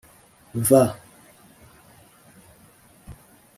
v.